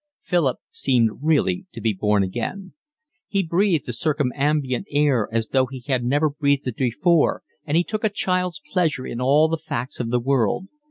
Philip seemed really to be born again. He breathed the circumambient air as though he had never breathed it before, and he took a child's pleasure in all the facts of the world.